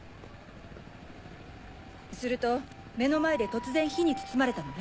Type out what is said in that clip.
すると目の前で突然火に包まれたのね。